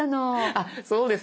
あっそうですよね。